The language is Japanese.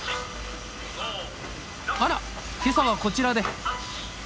あら今朝はこちらで。